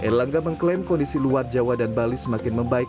erlangga mengklaim kondisi luar jawa dan bali semakin membaik